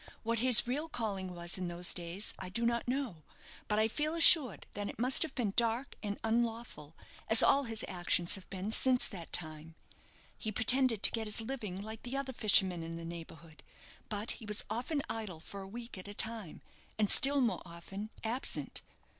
What his real calling was in those days I do not know; but I feel assured that it must been dark and unlawful as all his actions have been since that time. He pretended to get his living like the other fishermen in the neighbourhood; but he was often idle for a week at a time, and still more often, absent.